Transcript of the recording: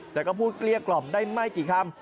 แต่ก็พูดเกลี้ยกล่อมได้ไม่กี่คำ